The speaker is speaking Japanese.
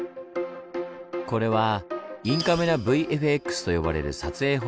これは「インカメラＶＦＸ」と呼ばれる撮影方法。